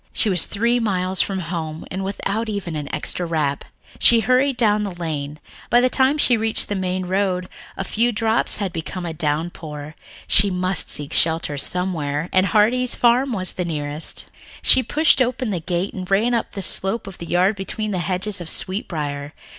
She was three miles from home and without even an extra wrap. She hurried down the lane, but by the time she reached the main road, the few drops had become a downpour. She must seek shelter somewhere, and Heartsease Farm was the nearest. She pushed open the gate and ran up the slope of the yard between the hedges of sweetbriar.